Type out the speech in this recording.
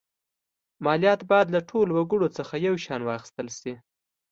مالیات باید له ټولو وګړو څخه یو شان واخیستل شي.